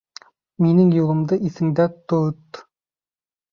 Минең юлымды иҫендә то-от!